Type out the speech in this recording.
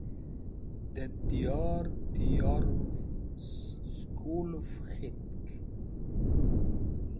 Dẽ diyor diyorẽv skulẽv k̃hetk.